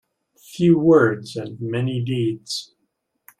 Few words and many deeds.